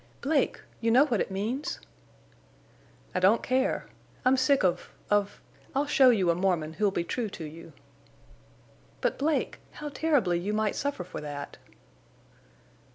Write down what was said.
"Blake!... You know what it means?" "I don't care. I'm sick of—of—I'll show you a Mormon who'll be true to you!" "But, Blake—how terribly you might suffer for that!"